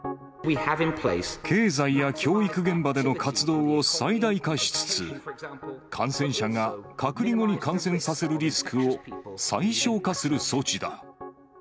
経済や教育現場での活動を最大化しつつ、感染者が隔離後に感染させるリスクを最小化する措置だ。